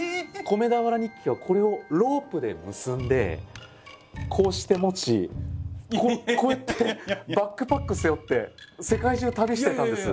「米俵日記」はこれをロープで結んでこうして持ちこうやってバックパック背負って世界中旅してたんです。